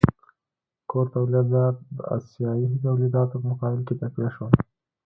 کور تولیدات د اسیايي تولیداتو په مقابل کې تقویه شول.